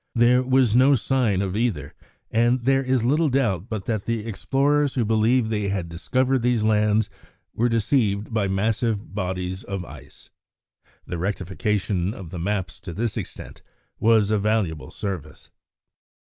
There was no sign of either, and there is little doubt but that the explorers who believed they had discovered these lands were deceived by massive bodies of ice. The rectification of the maps to this extent was a valuable service.